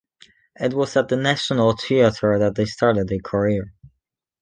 It was at the National Theater that they started their career.